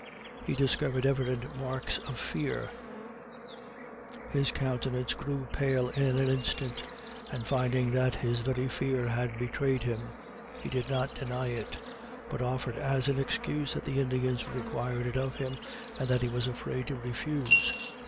He discovered evident marks of fear, his countenance grew pale in an instant; and finding that his very fear had betrayed him, he did not deny it; but offered as an excuse that the Indians required it of him, and that he was afraid to refuse.